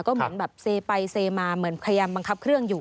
ก็เหมือนแบบเซไปเซมาเหมือนพยายามบังคับเครื่องอยู่